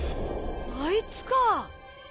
あいつか。